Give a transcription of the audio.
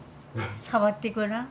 触ってごらん。